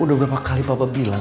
udah berapa kali papa bilang